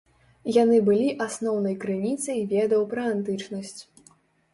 Яны былі асноўнай крыніцай ведаў пра антычнасць.